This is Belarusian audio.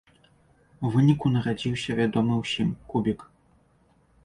У выніку нарадзіўся вядомы ўсім кубік.